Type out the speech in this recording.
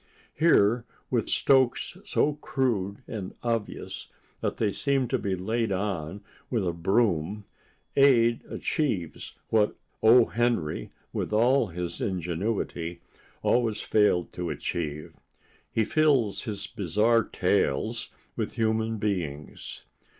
Here, with strokes so crude and obvious that they seem to be laid on with a broom, Ade achieves what O. Henry, with all his ingenuity, always failed to achieve: he fills his bizarre tales with human beings.